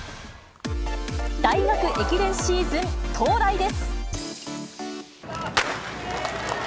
大学駅伝シーズン到来です。